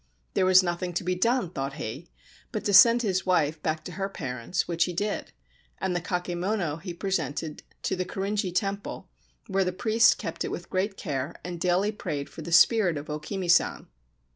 There was nothing to be done, thought he, but to send his wife back to her parents, which he did ; and the kakemono he presented to the Korinji Temple, where the priests kept it with great care and daily prayed for the spirit of O Kimi San.